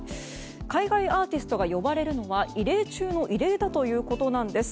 海外アーティストが呼ばれるのは異例中の異例ということです。